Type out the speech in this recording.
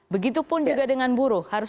begitupun juga dengan buruh harus